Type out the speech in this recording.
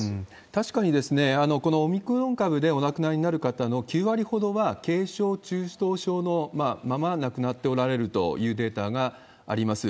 確かに、このオミクロン株でお亡くなりになる方の９割ほどは、軽症、中等症のまま亡くなっておられるというデータがあります。